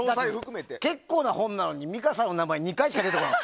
結構な本なのに美香さんの名前２回しか出てこない。